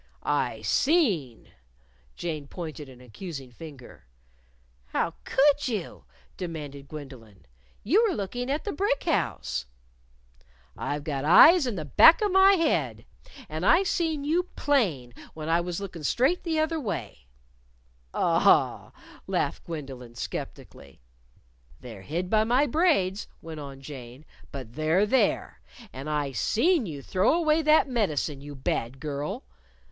_" "I seen." Jane pointed an accusing finger. "How could you?" demanded Gwendolyn. "You were looking at the brick house." "I've got eyes in the back of my head. And I seen you plain when I was lookin' straight the other way." "A a aw!" laughed Gwendolyn, skeptically. "They're hid by my braids," went on Jane, "but they're there. And I seen you throw away that medicine, you bad girl!"